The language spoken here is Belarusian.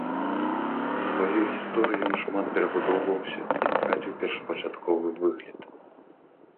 За сваю гісторыю ён шмат перабудоўваўся і страціў першапачатковы выгляд.